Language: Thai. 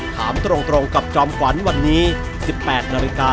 ถามตรงกับจอมควันวันนี้๑๘นาฬิกา๓๐นาทีห้ามพลาด